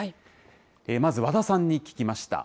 まず、和田さんに聞きました。